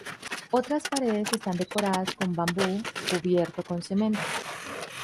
Otras paredes están decoradas con bambú cubierto con cemento.